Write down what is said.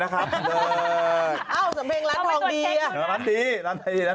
หัวเส้งเท้ง